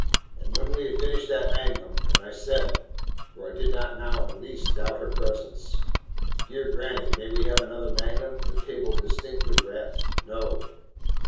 And when we had finished that magnum, and I said for I did not now in the least doubt her presence "Dear gr nny, may we have another magnum?" the table DISTINCTLY rapped "No.".